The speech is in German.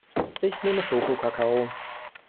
Ich nehme Schokokakao.